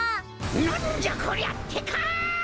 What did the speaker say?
なんじゃこりゃってか！